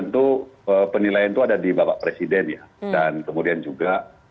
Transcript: tentu penilaian itu ada di bapak presiden ya dan kemudian juga